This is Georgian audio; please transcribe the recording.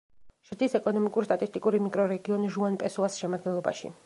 შედის ეკონომიკურ-სტატისტიკურ მიკრორეგიონ ჟუან-პესოას შემადგენლობაში.